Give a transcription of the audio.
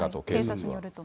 警察によると。